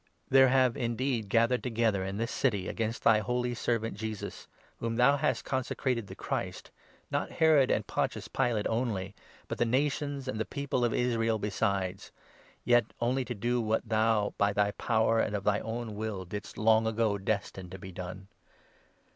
There have indeed gathered together in this 27 city against thy holy Servant Jesus, whom thou hast consecrated the Christ, not Herod and Pontius Pilate only, but the nations and the people of Israel besides — yet only to do 28 what thou, by thy power and of thy own will, didst long ago destine to be done.